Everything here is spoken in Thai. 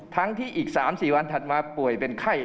ทั้งที่อีก๓๔วันถัดมาป่วยเป็นไข้